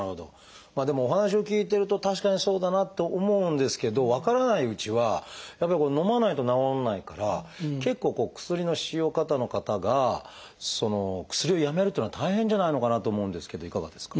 でもお話を聞いてると確かにそうだなと思うんですけど分からないうちはやっぱりのまないと治らないから結構薬の使用過多の方が薬をやめるっていうのは大変じゃないのかなと思うんですけどいかがですか？